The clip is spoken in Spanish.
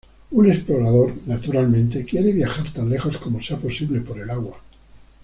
Un explorador, naturalmente, quiere viajar tan lejos como sea posible por el agua.